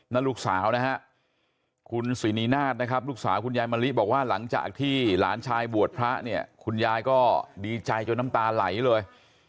ลูกสาวนะฮะคุณสินีนาฏนะครับลูกสาวคุณยายมะลิบอกว่าหลังจากที่หลานชายบวชพระเนี่ยคุณยายก็ดีใจจนน้ำตาไหลเลย